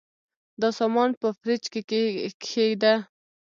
دا سامان په فریج کي کښېږده.